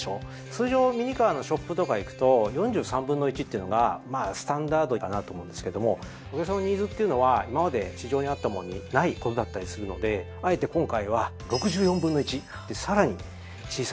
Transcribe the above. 通常ミニカーのショップとか行くと４３分の１っていうのがまあスタンダードかなと思うんですけどもお客さまのニーズっていうのは今まで市場にあった物にないことだったりするのであえて今回は６４分の１さらに小さいサイズにしました。